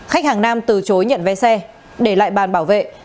khách hàng nam từ chối nhận vé xe để lại bàn bảo vệ